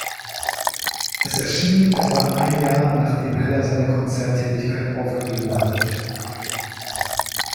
Es erschien, etwa ein Jahr nachdem Heller seine Konzerttätigkeit aufgegeben hatte.